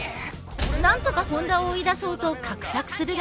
なんとか本田を追い出そうと画策するが。